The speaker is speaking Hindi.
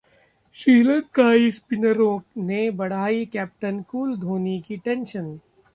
श्रीलंकाई स्पिनरों ने बढ़ाई कैप्टन कूल धोनी की टेंशन